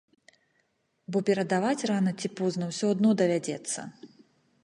Бо перадаваць рана ці позна ўсё адно давядзецца.